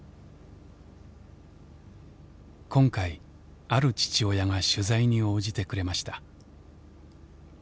今回ある父親が取材に応じてくれました。